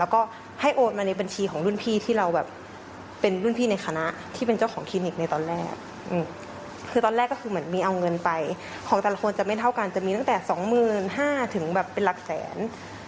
กับแต่ละคนจะไม่เท่ากันจะมีตั้งแต่๒๕๐๐๐ถึงเป็นหลักแสน